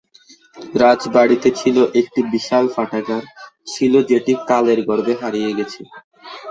রাজবাড়িতে ছিল একটি বিশাল পাঠাগার ছিলো যেটি কালের গর্ভে হারিয়ে গেছে।